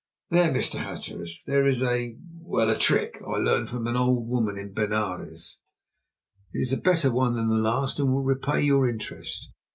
"There, Mr. Hatteras, this is a well, a trick I learned from an old woman in Benares. It is a better one than the last and will repay your interest.